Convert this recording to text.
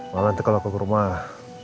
malah nanti kalau aku ke rumah